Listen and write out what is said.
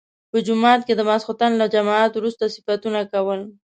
په جومات کې د ماخستن له جماعت وروسته صفتونه کول.